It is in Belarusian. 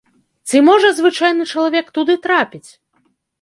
Ці можа звычайны чалавек туды трапіць?